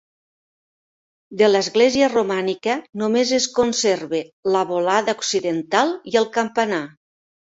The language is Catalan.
De l'església romànica només es conserva la volada occidental i el campanar.